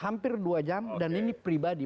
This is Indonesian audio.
hampir dua jam dan ini pribadi